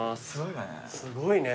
すごいね。